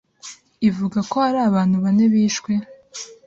ivuga ko hari abantu bane bishwe,